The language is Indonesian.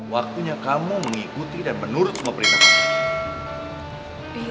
waktunya kamu mengikuti dan menurut semua perintah kamu